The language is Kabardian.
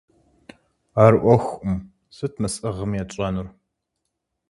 Ар Ӏуэхукъым, сыт мы сӀыгъым етщӀэнур?